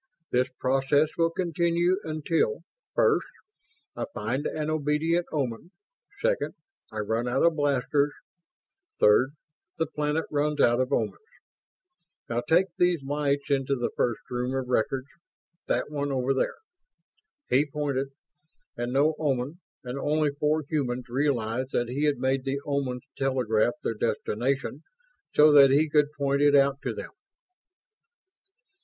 This process will continue until: First, I find an obedient Oman. Second, I run out of blasters. Third, the planet runs out of Omans. Now take these lights into the first room of records that one over there." He pointed, and no Oman, and only four humans, realized that he had made the Omans telegraph their destination so that he could point it out to them!